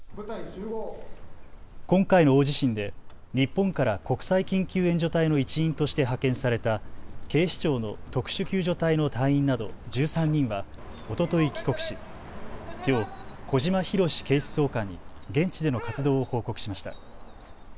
今回の大地震で日本から国際緊急援助隊の一員として派遣された警視庁の特殊救助隊の隊員など１３人はおととい帰国しきょう小島裕史警視総監に現地での活動を報告しました。